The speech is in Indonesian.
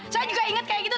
saya juga ingat kayak gitu